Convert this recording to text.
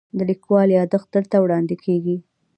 د لیکوال یادښت دلته وړاندې کیږي.